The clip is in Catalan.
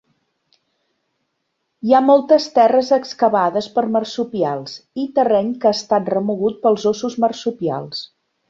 Hi ha moltes terres excavades per marsupials i terreny que ha estat remogut pels óssos marsupials.